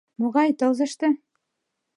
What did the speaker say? Могай тылзыште?